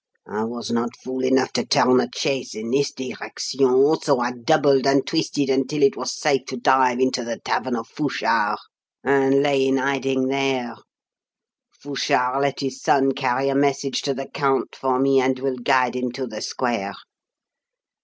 I was not fool enough to turn the chase in this direction, so I doubled and twisted until it was safe to dive into the tavern of Fouchard, and lay in hiding there. Fouchard let his son carry a message to the count for me, and will guide him to the square.